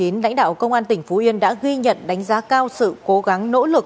lãnh đạo công an tỉnh phú yên đã ghi nhận đánh giá cao sự cố gắng nỗ lực